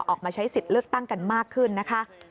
ออกมาใช้สิทธิ์เลือกตั้งกันมากขึ้นนะคะ